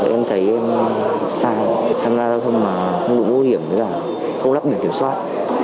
em thấy em sai tham gia giao thông mà không đủ mô hiểm không lắm để kiểm soát